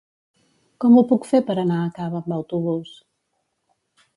Com ho puc fer per anar a Cava amb autobús?